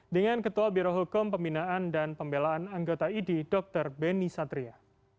dengan ketua birohukum pembinaan dan pembelaan anggota idi dr beni satria